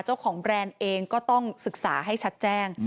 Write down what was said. แบรนด์เองก็ต้องศึกษาให้ชัดแจ้ง